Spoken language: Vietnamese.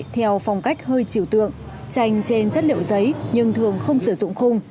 theo phong cách hơi chiều tượng tranh trên chất liệu giấy nhưng thường không sử dụng khung